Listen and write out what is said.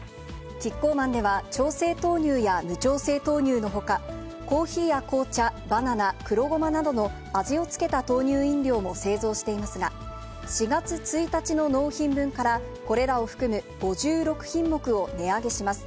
キッコーマンでは、調製豆乳や無調整豆乳のほか、コーヒーや紅茶、バナナ、黒ゴマなどの味をつけた豆乳飲料も製造していますが、４月１日の納品分から、これらを含む５６品目を値上げします。